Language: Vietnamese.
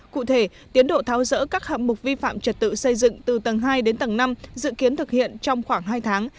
cụ thể tiến độ tháo rỡ các hạng mục vi phạm trật tự xây dựng từ tầng hai đến tầng năm dự kiến thực hiện trong khoảng hai tháng